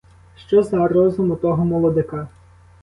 Що за розум у того молодика!